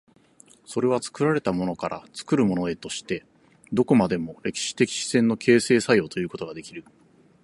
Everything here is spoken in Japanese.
それは作られたものから作るものへとして、どこまでも歴史的自然の形成作用ということができる。